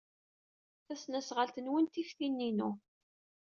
Tasnasɣalt-nwen tif tin-inu.